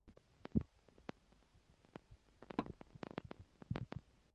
A musical scale may also be analysed as a succession of thirds.